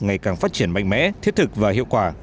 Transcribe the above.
ngày càng phát triển mạnh mẽ thiết thực và hiệu quả